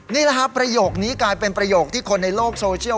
นี่แหละครับประโยคนี้กลายเป็นประโยคที่คนในโลกโซเชียล